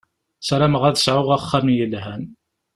Sarameɣ ad sɛuɣ axxam yelhan.